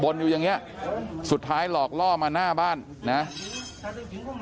อยู่อย่างเงี้ยสุดท้ายหลอกล่อมาหน้าบ้านนะ